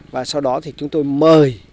và sau đó thì chúng tôi mời